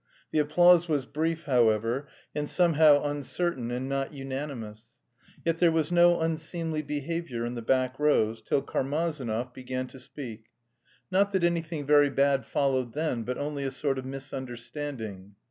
The applause was brief, however, and somehow uncertain and not unanimous. Yet there was no unseemly behaviour in the back rows, till Karmazinov began to speak, not that anything very bad followed then, but only a sort of misunderstanding.